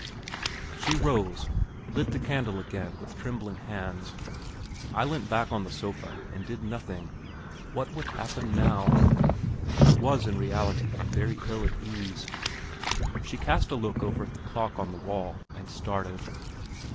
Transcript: She rose, lit the candle again with trembling hands. I leant back on the sofa and did nothing. What would happen now? I was in reality very ill at ease. She cast a look over at the clock on the wall, and started.